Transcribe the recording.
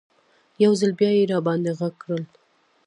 یو ځل بیا یې راباندې غږ کړل.